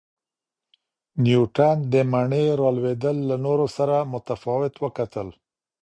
نیوټن د مڼې را لویدل له نورو سره متفاوت وکتل.